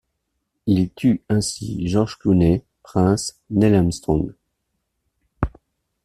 Il tue ainsi George Clooney, Prince, Neil Armstrong.